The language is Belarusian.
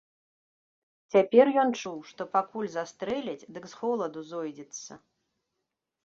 Цяпер ён чуў, што пакуль застрэляць, дык з холаду зойдзецца.